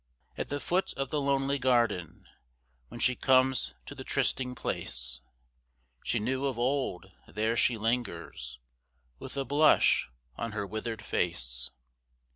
At the foot of the lonely garden, When she comes to the trysting place She knew of old, there she lingers, With a blush on her withered face.